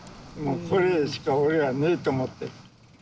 これしか俺はねえと思って。